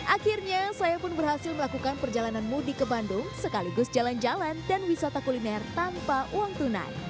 akhirnya saya pun berhasil melakukan perjalanan mudik ke bandung sekaligus jalan jalan dan wisata kuliner tanpa uang tunai